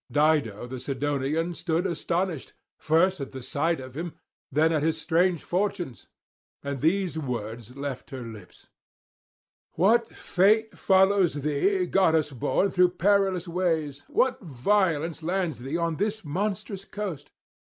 Dido the Sidonian stood astonished, first at the sight of him, then at his strange fortunes; and these words left her lips: 'What fate follows thee, goddess born, through perilous ways? what violence lands thee on this monstrous coast?